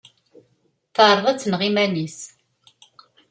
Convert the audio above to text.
Teɛreḍ ad tneɣ iman-is.